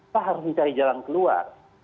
kita harus mencari jalan keluar